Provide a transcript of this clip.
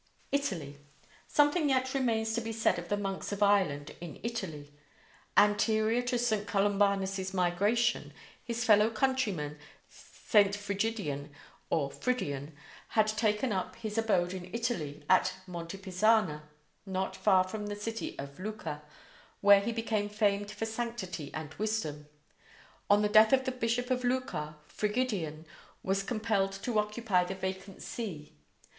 ITALY: Something yet remains to be said of the monks of Ireland in Italy. Anterior to St. Columbanus's migration, his fellow countryman, St. Frigidian (or Fridian), had taken up his abode in Italy at Monte Pisana, not far from the city of Lucca, where he became famed for sanctity and wisdom. On the death of the bishop of Lucca, Frigidian was compelled to occupy the vacant see.